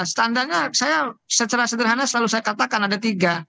standarnya saya secara sederhana selalu saya katakan ada tiga